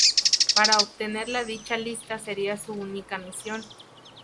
Para obtener la dicha lista sería su única misión.